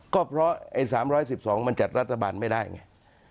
ก็เพราะไอ้๓๑๒มันจัดรัฐบาลไม่ได้ไง